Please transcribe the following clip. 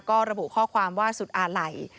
ก็ระบุข้อความว่าสุดอาลัย